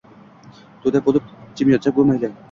To’da bo’lib jim yotsa-ku, mayli.